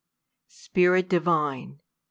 Spirit divine !